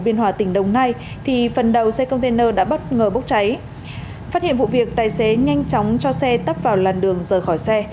phát hiện vụ việc tài xế nhanh chóng cho xe tắp vào làn đường rời khỏi xe